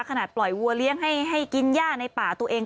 ขนาดปล่อยวัวเลี้ยงให้กินย่าในป่าตัวเอง